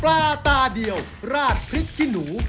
ปลาตาเดียวราดพริกขี้หนู